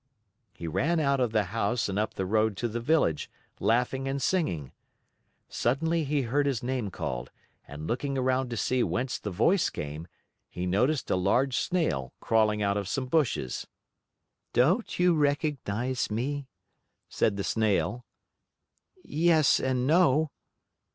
He ran out of the house and up the road to the village, laughing and singing. Suddenly he heard his name called, and looking around to see whence the voice came, he noticed a large snail crawling out of some bushes. "Don't you recognize me?" said the Snail. "Yes and no."